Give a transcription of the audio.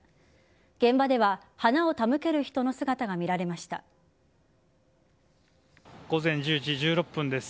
現場では花を手向ける人の姿が午前１０時１６分です。